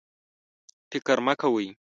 فکر مه کوئ